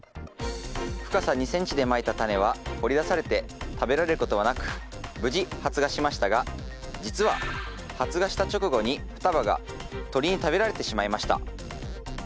深さ２ｃｍでまいたタネは掘り出されて食べられることはなく無事発芽しましたが実は発芽した直後に双葉が鳥に食べられてしまいました。